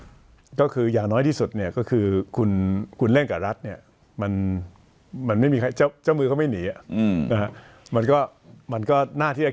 มันก็หน้าที่จะแข่งได้เรื่องนี้